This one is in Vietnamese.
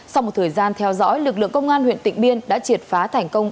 sau một thời gian theo dõi lực lượng công an huyện tịnh biên đã triệt phá thành công